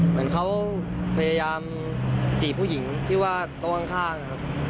เหมือนเขาพยายามจีบผู้หญิงที่ว่าโต๊ะข้างนะครับ